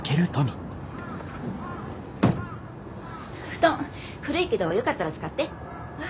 布団古いけどよかったら使って。